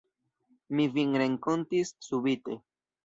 Mi vin renkontis subite.